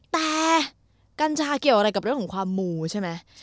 แต่กัญชาเกี่ยวอะไรกับเรื่องของความมูใช่ไหม